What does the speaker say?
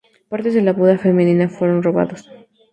Partes de la Buda femenina fueron robados.